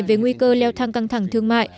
về nguy cơ leo thang căng thẳng thương mại